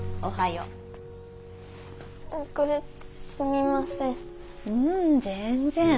ううん全然。